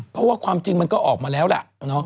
เพราะว่าความจริงมันก็ออกมาแล้วล่ะ